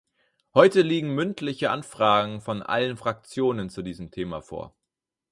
Heute liegen mündliche Anfragen von allen Fraktionen zu diesem Thema vor.